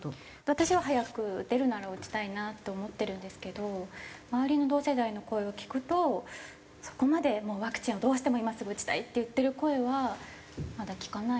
私は早く打てるなら打ちたいなって思ってるんですけど周りの同世代の声を聞くとそこまでもうワクチンをどうしても今すぐ打ちたいって言ってる声はまだ聞かない。